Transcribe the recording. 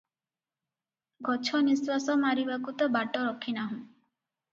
ଗଛ ନିଃଶ୍ୱାସ ମାରିବାକୁ ତ ବାଟ ରଖି ନାହୁଁ ।